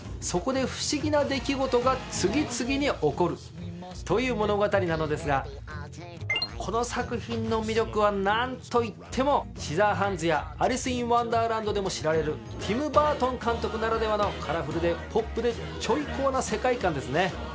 そこで不思議な出来事が次々に起こるという物語なのですがこの作品の魅力は何といっても『シザーハンズ』や『アリス・イン・ワンダーランド』でも知られるティム・バートン監督ならではのカラフルでポップでちょい怖な世界観ですね。